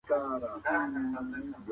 ښځه باید د کور مالي منابعو کې شفافیت وساتي.